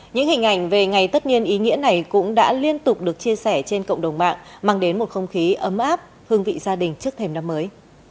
những hình ảnh về ngày tất nhiên ý nghĩa này cũng đã liên tục được chia sẻ trên cộng đồng mạng mang đến một không khí ấm áp hương vị gia đình trước thềm năm mới